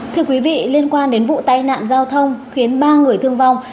thưa quý vị liên quan đến vụ tai nạn giao thông khiến ba người thương vong